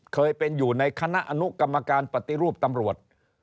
เคยเป็นอยู่ในคณะอนุกรรมการปฏิรูปตำรวจ